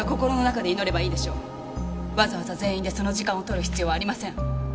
わざわざ全員でその時間を取る必要はありません。